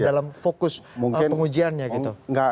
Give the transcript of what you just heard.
dalam fokus pengujiannya